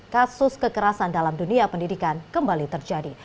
kasus kekerasan dalam dunia pendidikan kembali terjadi